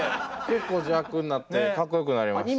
結構邪悪になってかっこよくなりました。